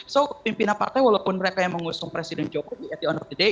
so pimpinan partai walaupun mereka yang mengusung presiden jokowi aty on of the day